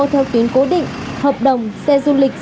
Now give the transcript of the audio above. theo tuyến cố định hợp đồng xe du lịch